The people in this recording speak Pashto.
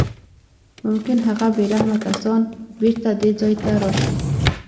ممکن هغه بې رحمه کسان بېرته دې ځای ته راشي